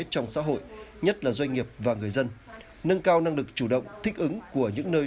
trong xã hội nhất là doanh nghiệp và người dân nâng cao năng lực chủ động thích ứng của những nơi